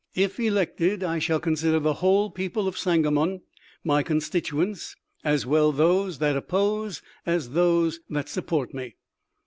" If elected I shall consider the whole people of Sangamon my constituents, as well those that oppose as those that support me.